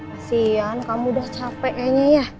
kasian kamu udah capek kayaknya ya